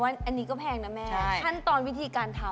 อันนี้ก็แพงนะแม่ขั้นตอนวิธีการทำ